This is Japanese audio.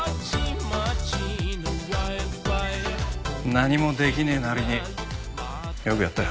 何もできねえなりによくやったよ。